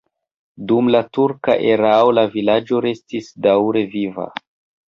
Dum la turka erao la vilaĝo restis daŭre viva.